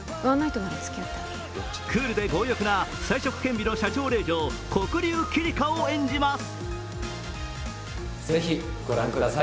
クールで強欲な才色兼備の社長令嬢、黒龍桐姫を演じます。